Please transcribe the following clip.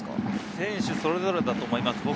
選手それぞれだと思います。